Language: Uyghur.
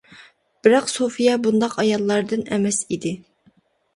بىراق، سوفىيە بۇنداق ئاياللاردىن ئەمەس ئىدى.